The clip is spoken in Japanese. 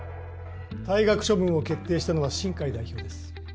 退学処分を決定したのは新偕代表です。